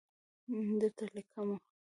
درته لیکمه